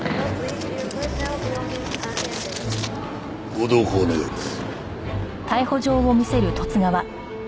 ご同行願います。